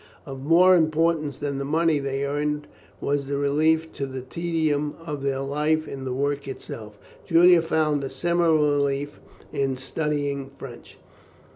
Of more importance than the money they earned, was the relief to the tedium of their life in the work itself. Julian found a similar relief in studying French.